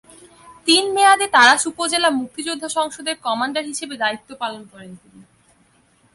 তিন মেয়াদে তাড়াশ উপজেলা মুক্তিযোদ্ধা সংসদের কমান্ডার হিসেবে দায়িত্ব পালন করেন তিনি।